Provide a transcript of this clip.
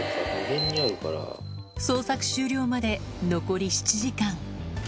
捜索終了まで残り７時間。